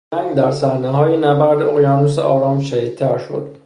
جنگ در صحنههای نبرد اقیانوس آرام شدیدتر شد.